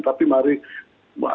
tapi mari kita lihat